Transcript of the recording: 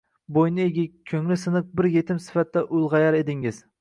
Bo'yni egik, ko'ngli siniq bir yetim sifatida ulg'ayar edingiz.